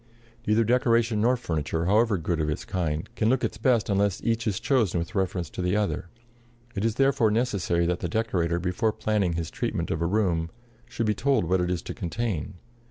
Neither decoration nor furniture, however good of its kind, can look its best unless each is chosen with reference to the other. It is therefore necessary that the decorator, before planning his treatment of a room, should be told what it is to contain.